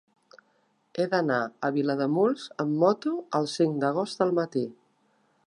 He d'anar a Vilademuls amb moto el cinc d'agost al matí.